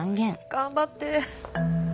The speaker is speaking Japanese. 頑張って。